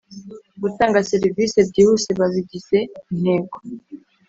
gutanga serivisi byihuse babigize intego